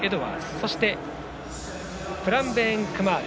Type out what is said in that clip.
そしてプラベーンクマール。